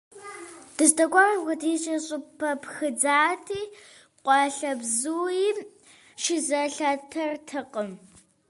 Дыздэкӏуар апхуэдизкӀэ щӀыпӀэ пхыдзати, къуалэбзуи щызелъатэртэкъым.